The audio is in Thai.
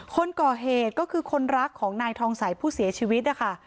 คนก่อเหตุก็คือคนรักของนายทองใสผู้เสียชีวิตนะคะ